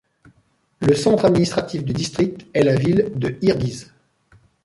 Le centre administratif du district est la ville de Yrgyz.